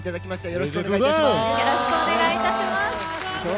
よろしくお願いします。